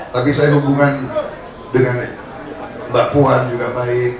tapi saya hubungan dengan mbak puan juga baik